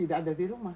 tidak ada di rumah